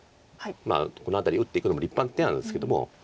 この辺り打っていくのも立派な手なんですけども。